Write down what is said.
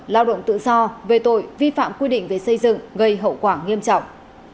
lao động tự do về tội vi phạm quy định về xây dựng gây hậu quả nghiêm trọng